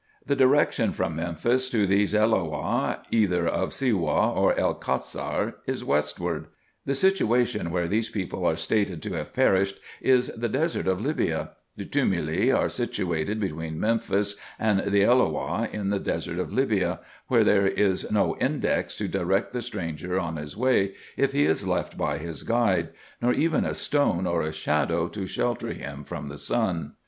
The direction from Memphis to these Elloah, either of Siwah or El Cassar, is westward. The situation where these people are stated to have perished is the desert of Lybia : the tumuli are situated between Memphis and the Elloah in the desert of Lybia, 400 RESEARCHES AND OPERATIONS where there is no index to direct the stranger on his way, if he is left by his guide ; nor even a stone or a shadow to shelter him from the sun.